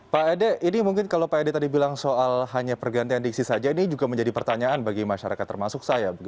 pak ede ini mungkin kalau pak ede tadi bilang soal hanya pergantian diksi saja ini juga menjadi pertanyaan bagi masyarakat termasuk saya